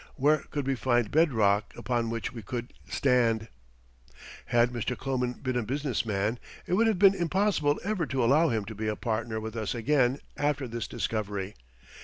Where could we find bedrock upon which we could stand? Had Mr. Kloman been a business man it would have been impossible ever to allow him to be a partner with us again after this discovery.